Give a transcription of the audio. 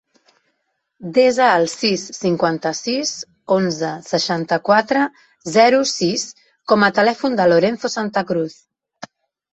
Desa el sis, cinquanta-sis, onze, seixanta-quatre, zero, sis com a telèfon del Lorenzo Santacruz.